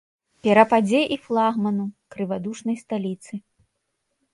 Перападзе і флагману, крывадушнай сталіцы.